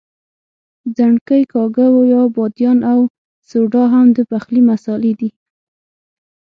ځڼکۍ، کاږه یا بادیان او سوډا هم د پخلي مسالې دي.